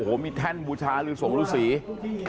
โอ้โหมีแท่นบูชามูชาฬิสงฤาษีศรี